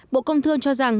bộ công thương cho rằng